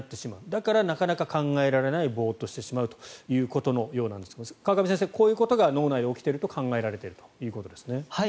だからなかなか考えられないボーッとしてしまうということのようなんですが川上先生、こういうことが脳内で起きていると考えられているということですね？